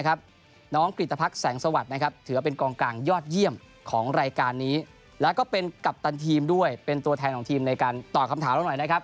ก็จะเป็นช่องที่นี่ด้วยเป็นตัวแทนของทีมในการตอบคำถามหน่อยนะครับ